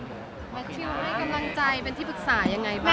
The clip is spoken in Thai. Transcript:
แมททิวให้กำลังใจเป็นที่ปรึกษายังไงบ้าง